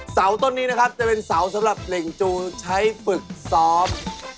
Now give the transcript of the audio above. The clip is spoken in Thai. เสาต้นนี้นะครับจะเป็นเสาสำหรับเหล่งจูใช้ฝึกซ้อม